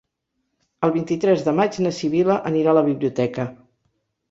El vint-i-tres de maig na Sibil·la anirà a la biblioteca.